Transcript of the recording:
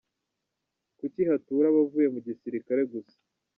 Kuki hatura abavuye mu gisirikare gusa?.